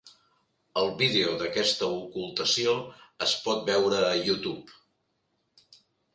El vídeo d'aquesta ocultació es pot veure a YouTube.